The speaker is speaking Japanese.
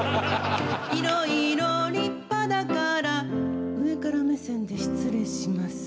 「いろいろ立派だから」「上から目線で失礼します」